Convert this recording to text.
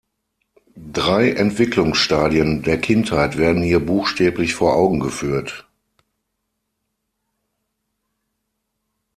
Drei Entwicklungsstadien der Kindheit werden hier buchstäblich vor Augen geführt.